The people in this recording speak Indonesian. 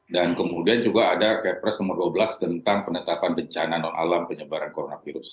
dan kemudian juga ada kepres nomor dua belas tentang penetapan bencana non alam penyebaran coronavirus